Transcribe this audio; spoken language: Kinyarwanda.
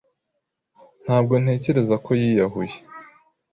Ntabwo ntekereza ko yiyahuye.